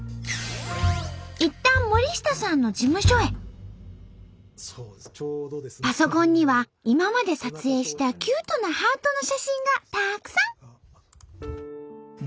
いったんパソコンには今まで撮影したキュートなハートの写真がたくさん。